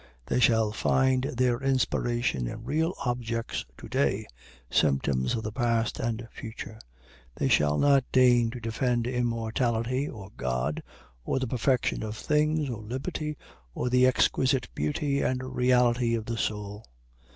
They shall find their inspiration in real objects to day, symptoms of the past and future. They shall not deign to defend immortality or God, or the perfection of things, or liberty, or the exquisite beauty and reality of the soul.